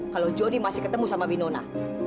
kalau jody masih ketemu sama winona